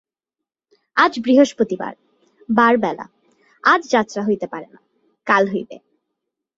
আজ বৃহস্পতিবার, বারবেলা, আজ যাত্রা হইতে পারে না, কাল হইবে।